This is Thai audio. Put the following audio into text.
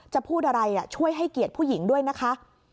จะพูดอะไรช่วยให้เกียรติผู้หญิงด้วยนะคะ